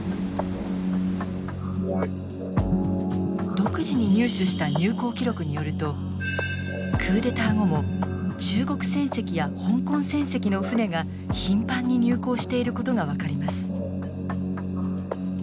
独自に入手した入港記録によるとクーデター後も中国船籍や香港船籍の船が頻繁に入港していることが分かります。